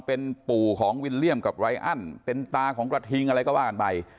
เป็นปู่ของวิลเลี่ยมกับไรอันเป็นตาของกระทิงอะไรก็ว่ากันไป